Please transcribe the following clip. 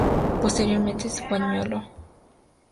Posteriormente se usó pañuelo.